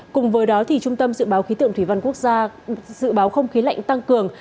cùng với đó trung tâm dự báo khí tượng thủy văn quốc gia dự báo không khí lạnh tăng cường